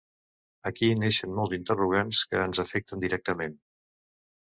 Aquí neixen molts interrogants que ens afecten directament.